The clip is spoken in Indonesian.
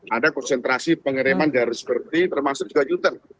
ada konsentrasi pengiriman dari seperti termasuk juga newton